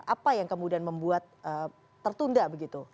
apa yang kemudian membuat tertunda begitu